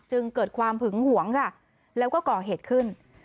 จึงเกิดความหึงหวงค่ะแล้วก็ก่อเหตุขึ้น